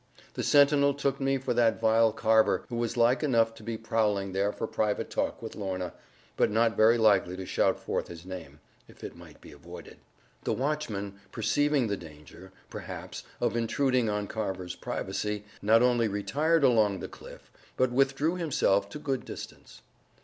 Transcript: The sentinel took me for that vile Carver, who was like enough to be prowling there for private talk with Lorna, but not very likely to shout forth his name, if it might be avoided. The watchman, perceiving the danger, perhaps, of intruding on Carver's privacy, not only retired along the cliff, but withdrew himself to good distance.